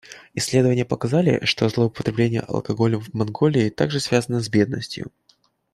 Исследования показали, что злоупотребление алкоголем в Монголии также связано с бедностью.